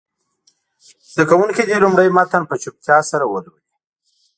زده کوونکي دې لومړی متن په چوپتیا سره ولولي.